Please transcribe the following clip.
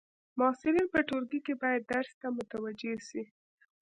محصلین په ټولګی کي باید درس ته متوجي سي.